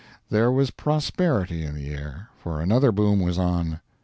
There was prosperity, in the air; for another boom was on.